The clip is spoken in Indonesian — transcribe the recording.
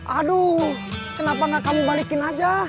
aduh kenapa gak kamu balikin aja